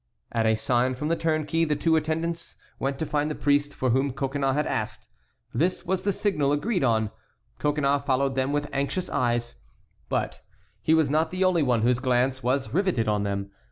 At a sign from the turnkey the two attendants went to find the priest for whom Coconnas had asked. This was the signal agreed on. Coconnas followed them with anxious eyes; but he was not the only one whose glance was riveted on them.